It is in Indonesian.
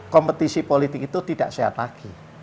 kompetisi politik itu tidak sehat lagi